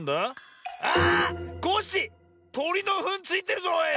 コッシーとりのふんついてるぞおい！